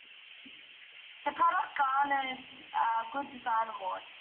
The product garnered a Good Design Award.